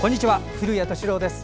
古谷敏郎です。